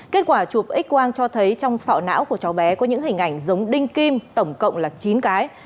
kết quả chụp x quang cho thấy trong sọ não của cháu bé có những hình ảnh giống đinh kim tổng cộng là chín cái